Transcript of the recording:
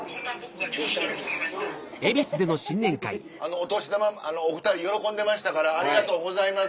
お年玉お２人喜んでましたからありがとうございます。